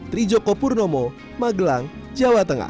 trijoko purnomo magelang jawa tengah